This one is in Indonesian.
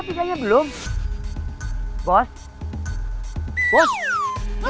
takut dia manig dulu kau output dan belum